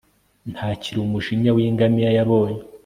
Ntakiri umujinya wingamiya yabonye